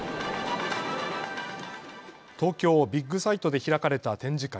東京ビッグサイトで開かれた展示会。